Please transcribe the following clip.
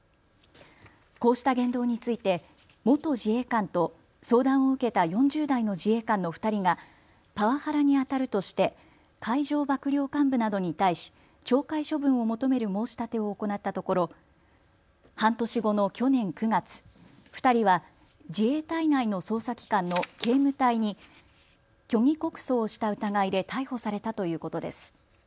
こうした言動について元自衛官と相談を受けた４０代の自衛官の２人がパワハラにあたるとして海上幕僚監部などに対し懲戒処分を求める申し立てを行ったところ半年後の去年９月、２人は自衛隊内の捜査機関の警務隊に虚偽告訴をした疑いで逮捕されたということです。